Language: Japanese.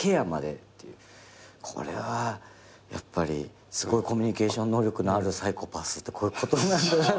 これはやっぱりすごいコミュニケーション能力のあるサイコパスってこういうことなんだなって。